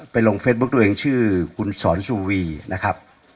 ลงเฟซบุ๊คตัวเองชื่อคุณสอนสุวีนะครับ